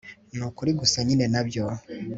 nukuri gusa nyine nabyo